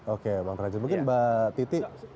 oke bang rajin mungkin mbak titi